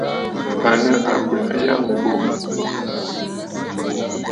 À nɨ àkwènə̀ àyâŋmbô.